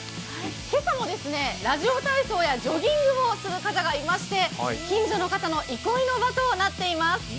今朝もラジオ体操やジョギングをする方もいまして近所の方の憩いの場となっています。